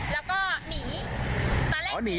ใช่ค่ะหนีอันนี้คนรถข้างนะคะบอกว่าหนี